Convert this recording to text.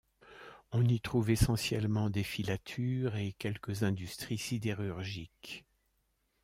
On y trouve essentiellement des filatures et quelques industries sidérurgiques.